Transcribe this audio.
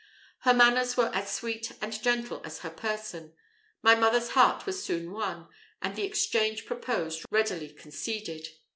Her manners were as sweet and gentle as her person: my mother's heart was soon won, and the exchange proposed readily conceded.